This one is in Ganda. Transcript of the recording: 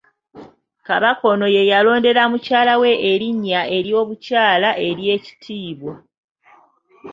Kabaka ono ye yalondera mukyala we erinnya ery'obukyala ery'ekitiibwa.